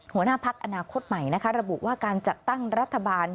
หัวหน้าพักอนาคตใหม่นะคะระบุว่าการจัดตั้งรัฐบาล